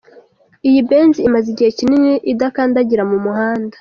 Iyi Benz imaze igihe kinini idakandagira mu muhanda.